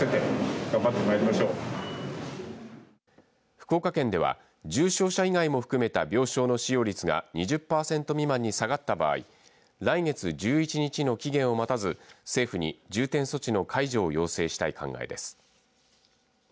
福岡県では重症者以外も含めた病床の使用率が２０パーセント未満に下がった場合来月１１日の期限を待たず政府に重点措置の解除を要請したい考えです。